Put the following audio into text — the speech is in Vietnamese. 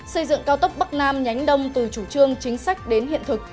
xây dựng cao tốc bắc nam nhánh đông từ chủ trương chính sách đến hiện thực